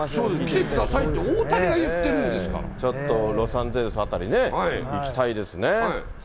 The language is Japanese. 来てくださいって、ちょっとロサンゼルス辺りね、行きたいですね。